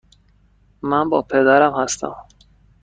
من با پدرم هستم.